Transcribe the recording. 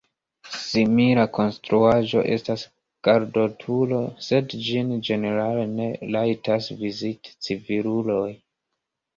Simila konstruaĵo estas gardoturo, sed ĝin ĝenerale ne rajtas viziti civiluloj.